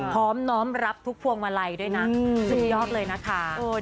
น้อมรับทุกพวงมาลัยด้วยนะสุดยอดเลยนะคะ